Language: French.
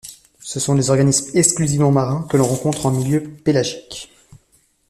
Ce sont des organismes exclusivement marins, que l'on rencontre en milieu pélagique.